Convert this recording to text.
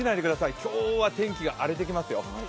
今日は天気が荒れてきますよ。